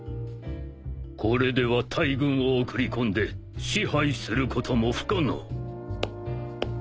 これでは大軍を送り込んで支配することも不可能。